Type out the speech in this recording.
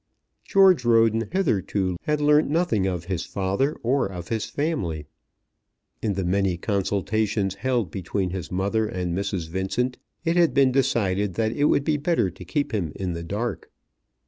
George Roden had hitherto learnt nothing of his father or his family. In the many consultations held between his mother and Mrs. Vincent it had been decided that it would be better to keep him in the dark.